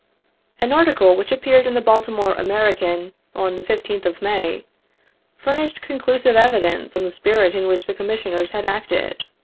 An article which appeared in the Baltimore American on the 15th of May, furnished conclusive evidence of the spirit in which the Commissioners had acted.